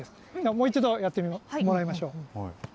もう一度、やってもらいましょう。